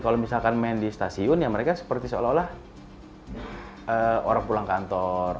kalau misalkan main di stasiun ya mereka seperti seolah olah orang pulang kantor